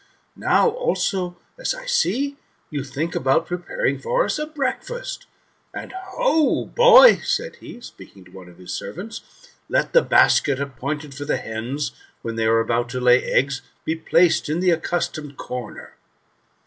Now also, as I see, you think about preparing for us a breakfast And, ho 1 boy," said he, [speaking to one of his servants,] "let the basket appointed for the hens when they are about to lay eggs, be placed in the accustomed corner."